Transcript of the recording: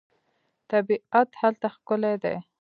طبیعت هلته ښکلی دی.